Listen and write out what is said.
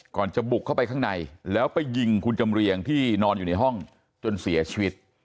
จะบุกเข้าไปข้างในแล้วไปยิงคุณจำเรียงที่นอนอยู่ในห้องจนเสียชีวิต